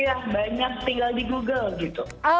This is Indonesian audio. yang banyak tinggal di google gitu